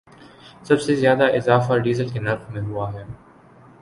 سب سے زیادہ اضافہ ڈیزل کے نرخ میں ہوا ہے